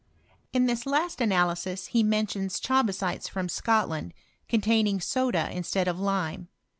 In this last analysis he mentions chabasites from Scotland, containing soda instead of lime.